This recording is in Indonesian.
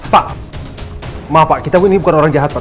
pak maaf pak kita ini bukan orang jahat pak